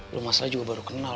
lo masalahnya juga baru kenal